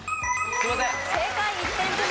すいません！